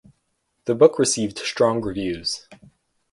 The book received strong reviews.